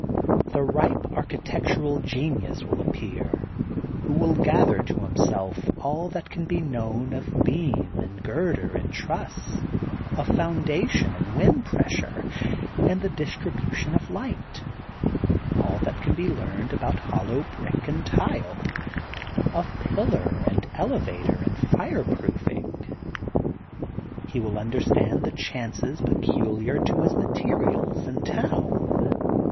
The ripe architectural genins will appear who will gather to himself all that CBJi be known of beam and girder and tmsSy of foundation and wind pressure and the distribution of light, all that can be learned about hollow brick and tUe, of pillar and elevator and fireproofing. He will under stand the chances peculiar to his materials and town.